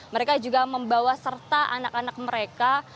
mereka juga membawa serta anak anak mereka